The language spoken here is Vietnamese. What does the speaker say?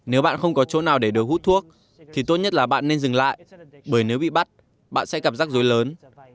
nếu bạn không có chỗ nào để được hút thuốc thì tốt nhất là bạn nên dừng lại bởi nếu bị bắt bạn sẽ gặp rắc rối lớn